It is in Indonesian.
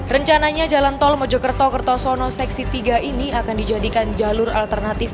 rencananya jalan tol mojokerto kertosono seksi tiga ini akan dijadikan jalur alternatif